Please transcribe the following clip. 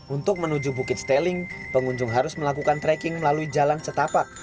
untuk menuju bukit steling pengunjung harus melakukan trekking melalui jalan setapak